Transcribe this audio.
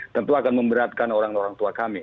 tentu akan memberatkan orang orang tua kami